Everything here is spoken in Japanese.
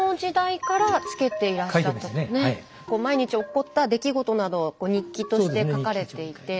毎日起こった出来事などを日記として書かれていて。